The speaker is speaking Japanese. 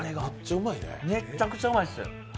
めちゃくちゃうまいです。